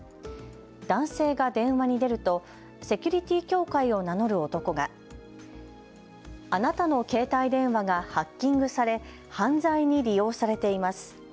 男性が電話に出るとセキュリティ協会を名乗る男があなたの携帯電話がハッキングされ犯罪に利用されています。